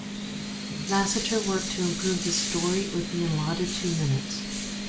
Lasseter worked to improve the story within the allotted two minutes.